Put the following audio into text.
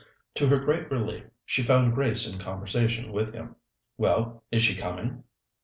To her great relief, she found Grace in conversation with him. "Well, is she coming?"